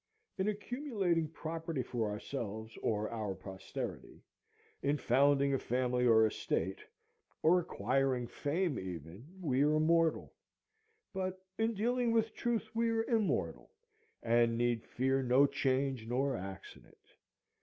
In accumulating property for ourselves or our posterity, in founding a family or a state, or acquiring fame even, we are mortal; but in dealing with truth we are immortal, and need fear no change nor accident.